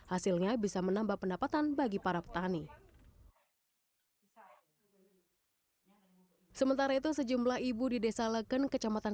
untuk menambah pendapatan bagi para petani sementara itu sejumlah ibu di desa lekan kecamatan